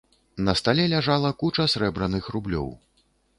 На стале ляжала куча срэбраных рублёў.